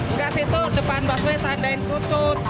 enggak sih tuh depan busnya sandain putut